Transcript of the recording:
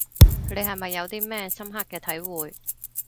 你係咪有啲咩深刻嘅體會